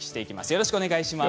よろしくお願いします。